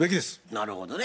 なるほどね。